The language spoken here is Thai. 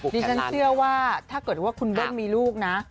ดิฉันเชื่อว่าถ้าเกิดว่าคุณเบิ้ลมีลูกนะ